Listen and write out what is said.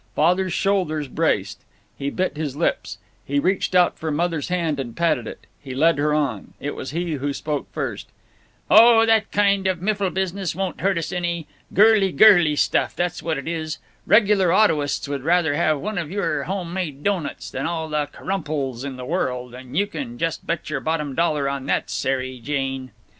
Father's shoulders braced; he bit his lips; he reached out for Mother's hand and patted it. He led her on, and it was he who spoke first: "Oh, that kind of miffle business won't hurt us any. Girly girly stuff, that's what it is. Regular autoists would rather have one of your home made doughnuts than all the crumples in the world, and you can just bet your bottom dollar on that, Sary Jane."